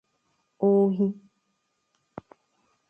Ohi